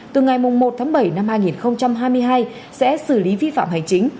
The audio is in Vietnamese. từ ngày một tháng bảy năm hai nghìn hai mươi hai sẽ xử lý vi phạm hành chính